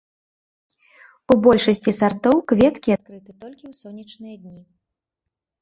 У большасці сартоў кветкі адкрыты толькі ў сонечныя дні.